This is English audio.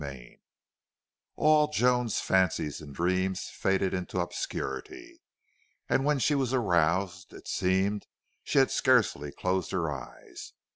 18 All Joan's fancies and dreams faded into obscurity, and when she was aroused it seemed she had scarcely closed her eyes.